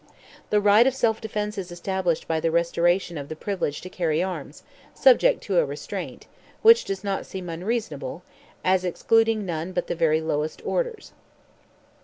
The right of self defence is established by the restoration of the privilege to carry arms, subject to a restraint, which does not seem unreasonable, as excluding none but the very lowest orders.